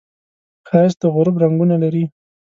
ښایست د غروب رنګونه لري